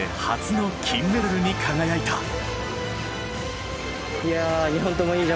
初の金メダルに輝いた。